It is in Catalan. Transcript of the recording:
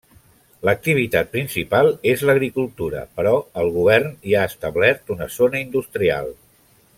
L'activitat principal és l'agricultura però el govern hi ha establert una zona industrial.